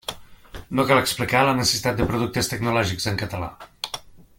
No cal explicar la necessitat de productes tecnològics en català.